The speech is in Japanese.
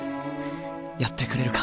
やってくれるか？